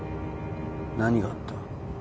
何があった？